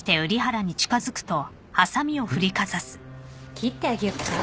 切ってあげようか？